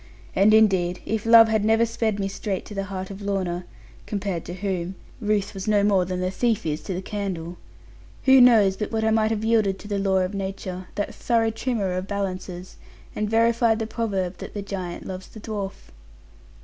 And indeed if love had never sped me straight to the heart of Lorna (compared to whom, Ruth was no more than the thief is to the candle), who knows but what I might have yielded to the law of nature, that thorough trimmer of balances, and verified the proverb that the giant loves the dwarf?